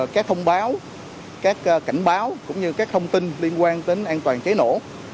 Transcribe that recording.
các thông báo các cảnh báo cũng như các thông tin liên quan đến an toàn cháy nổ